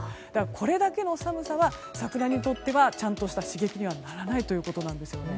これだけの寒さは桜にとってはちゃんとした刺激にはならないということなんですね。